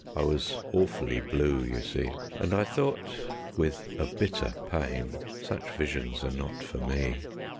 (I was awfully blue, you see), And I thought with a bitter pain: "Such visions are not for me."